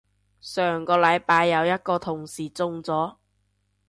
上個禮拜有一個同事中咗